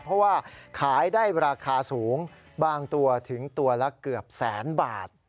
เพราะว่าขายได้ราคาสูงบางตัวถึงตัวละเกือบแสนบาท